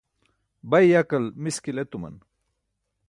bay yakal miskil etuman